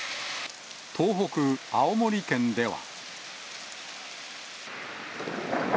東北・青森県では。